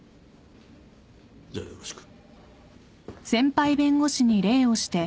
じゃあよろしく。